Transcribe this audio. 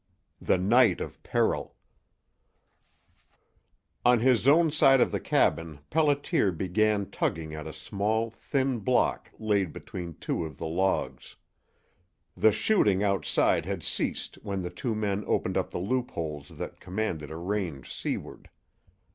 XI THE NIGHT OF PERIL On his own side of the cabin Pelliter began tugging at a small, thin block laid between two of the logs. The shooting outside had ceased when the two men opened up the loopholes that commanded a range seaward.